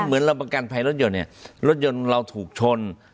เหมือนเราประกันภัยรถยนต์เนี่ยรถยนต์เราถูกชน